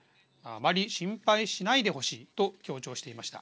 あまり心配しないでほしいと強調していました。